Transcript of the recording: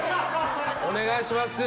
お願いします。